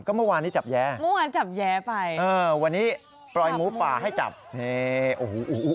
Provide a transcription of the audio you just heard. ก็เมื่อวานนี้จับแย้ค่ะวันนี้ปล่อยหมูปลาให้จับโอ้โฮ